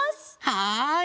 はい！